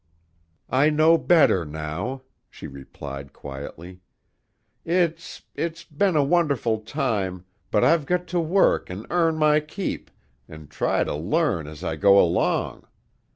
"I know better now," she replied quietly. "It's it's been a wonderful time, but I've got to work an' earn my keep an' try to learn as I go along.